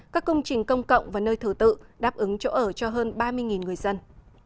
các công trình công cộng và nơi thờ tự đáp ứng chỗ ở cho hơn ba mươi người dân